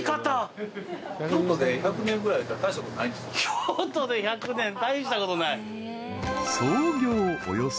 京都で１００年大したことない。